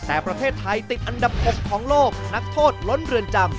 แต่ประเทศไทยติดอันดับ๖ของโลกนักโทษล้นเรือนจำ